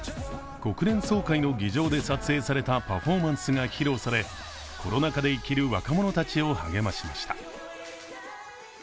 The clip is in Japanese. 国連総会の議場で撮影されたパフォーマンスが披露されコロナ禍で生きる若者たちを励ましました。